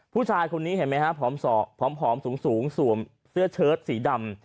ผู้ชายคนนี้เห็นไหมฮะผอมส่อผอมผอมสูงสูงสวมเสื้อเชิดสีดำ